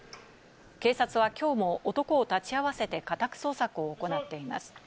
警察は今日も男を立ち会わせて家宅捜索を行っています。